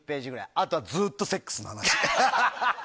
あとはずっとセックスの話。